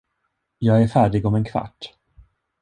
Jag är färdig om en kvart.